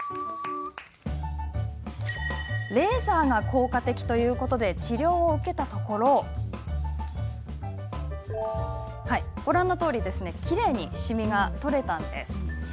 レーザーが効果的ということで治療を受けたところご覧のとおり、きれいにシミが取れたんです。